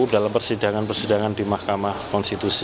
dalam persidangan persidangan di mahkamah konstitusi